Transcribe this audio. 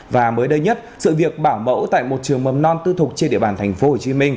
và mới đây nhất sự việc bảo mẫu tại một trường mầm non tư thục trên địa bàn tp hcm